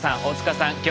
大塚さん